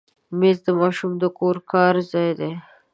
مېز د ماشوم د کور کار ځای دی.